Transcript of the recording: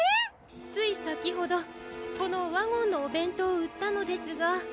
ついさきほどこのワゴンのおべんとうをうったのですが。